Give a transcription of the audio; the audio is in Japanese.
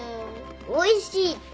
おいしいって。